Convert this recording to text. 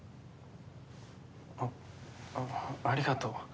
ああありがとう。